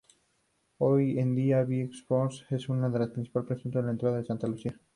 Hoy en día, Vieux Fort es el principal punto de entrada de Santa Lucía.